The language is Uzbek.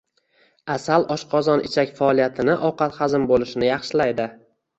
Asal oshqozon-ichak faoliyatini, ovqat hazm bo‘lishini yaxshilaydi.